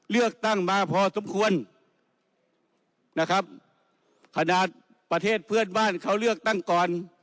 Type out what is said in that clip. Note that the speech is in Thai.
เลือกตั้งมาพอสมควรนะครับขนาดประเทศเพื่อนบ้านเขาเลือกตั้งก่อน